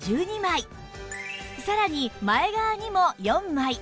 さらに前側にも４枚